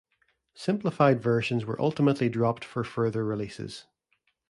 Simplified versions were ultimately dropped for further releases.